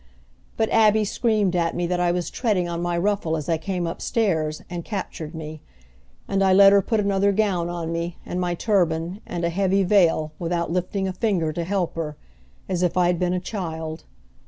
But Abby screamed at me that I was treading on my ruffle as I came up stairs, and captured me; and I let her put another gown on me and my turban and a heavy veil without lifting a finger to help her, as if I had been a child.